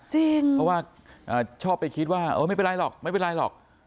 เพราะว่าชอบไปคิดว่าเออไม่เป็นไรหรอกไม่เป็นไรหรอก